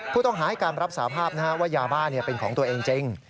ผู้ต้องหาให้การรับสาภาพว่ายาบ้าเป็นของตัวเองจริง